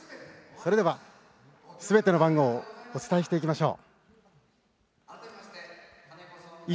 それではすべての番号をお伝えしていきましょう。